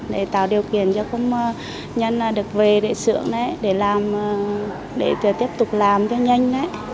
để tạo điều kiện cho công nhân được về để sửa để tiếp tục làm cho nhanh